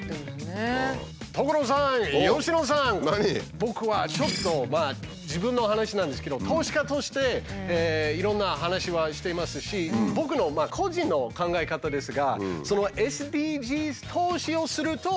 僕はちょっと自分の話なんですけど投資家としていろんな話はしていますしその分はなるほどなるほど。